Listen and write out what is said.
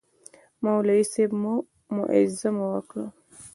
مولوي صاحب موعظه وکړه.